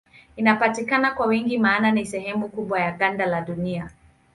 Inapatikana kwa wingi maana ni sehemu kubwa ya ganda la Dunia.